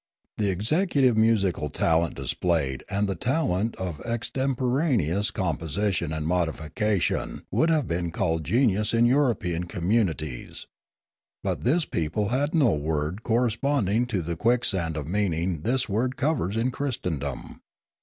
The executive musical talent displayed and the talent of extemporaneous composi tion and modification would have been called genius in European communities; btit this people had no word corresponding to the quicksand of meaning this word covers in Christendom.